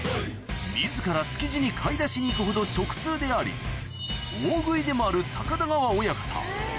自ら築地に買い出しに行くほど食通であり大食いでもある高田川親方